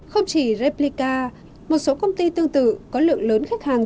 không chỉ japlica một số công ty tương tự có lượng lớn khách hàng